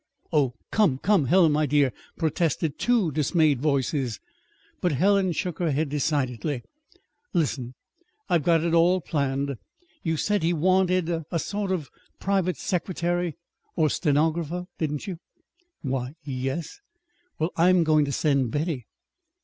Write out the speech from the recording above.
"Oh, come, come, Helen, my dear!" protested two dismayed voices. But Helen shook her head decidedly. "Listen. I've got it all planned. You said he wanted a a sort of private secretary or stenographer, didn't you?" "Why, y yes." "Well, I'm going to send Betty."